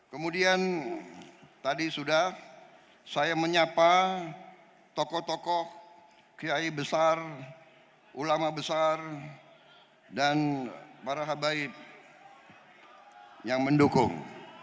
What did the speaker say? kemudian tadi sudah saya menyapa tokoh tokoh kiai besar ulama besar dan para habaib yang mendukung